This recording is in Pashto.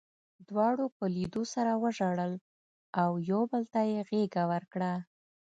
دواړو په لیدو سره وژړل او یو بل ته یې غېږه ورکړه